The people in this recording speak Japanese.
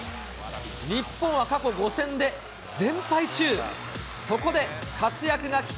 日本は過去５戦で全敗中。